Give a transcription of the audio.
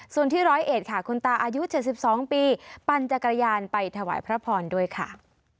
ส่วนที่ร้อยเอ็ดค่ะคุณตาอายุ๗๒ปีปั่นจักรยานไปถวายพระพรด้วยค่ะ